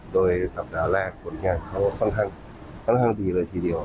โดยสัปดาห์แรกผลงานเขาค่อนข้างดีเลยทีเดียว